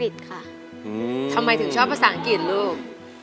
ทำไมถึงชอบภาษาอังกฤษลูก